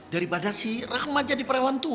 daripada si rahma dikawin sama juragan somat